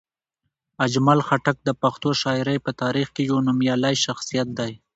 اجمل خټک د پښتو شاعرۍ په تاریخ کې یو نومیالی شخصیت دی.